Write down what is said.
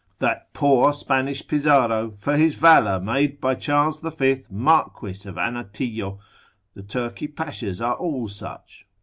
That poor Spanish Pizarro for his valour made by Charles the fifth marquess of Anatillo; the Turkey Pashas are all such.